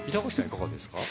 いかがですか？